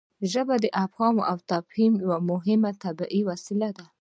ژبه د افهام او تفهیم یوه طبیعي وسیله ده.